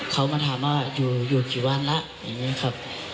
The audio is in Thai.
เขามันถามว่าอยู่กี่วันละ